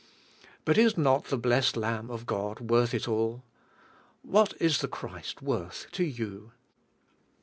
But is not the blessed Lamb of God worth it all? What is the Christ worth to you?